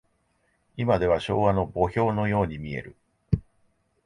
いまでは昭和の墓標のように見える。